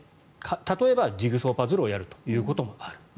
例えばジグソーパズルをやるということもある。